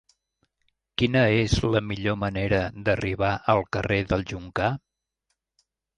Quina és la millor manera d'arribar al carrer del Joncar?